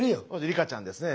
リカちゃんですね。